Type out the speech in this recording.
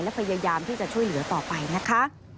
และพยายามที่จะช่วยเหลือต่อไปนะคะ